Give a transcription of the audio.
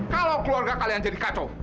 kalau keluarga kalian jadi kacau